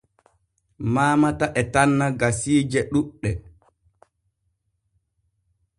Maamata e tanna gasiije ɗuuɗɗe.